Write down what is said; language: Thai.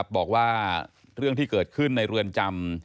บอกว่าเรื่องที่เกิดขึ้นในเรือนจำ